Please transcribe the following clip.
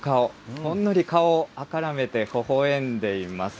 ほんのり顔を赤らめてほほえんでいます。